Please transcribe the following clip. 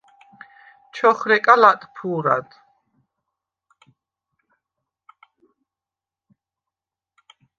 ჩოხრეკა ლატფუ̄რად.